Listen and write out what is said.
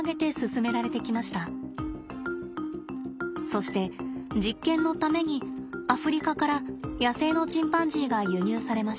そして実験のためにアフリカから野生のチンパンジーが輸入されました。